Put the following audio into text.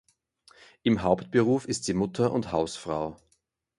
Im Hauptberuf ist sie Mutter und Hausfrau.